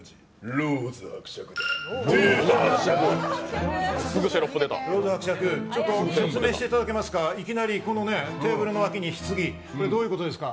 ローズ伯爵、説明していただけますか、いきなりテーブルにひつぎ、これ、どういうことですか。